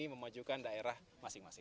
memajukan daerah masing masing